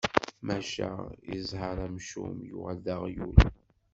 Maca i ẓẓher amcum, yuɣal d aɣyul.